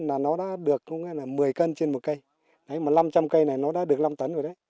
là nó đã được một mươi cân trên một cây năm trăm linh cây này nó đã được năm tấn rồi đấy